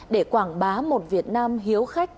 để quảng bá một việt nam hiếu khách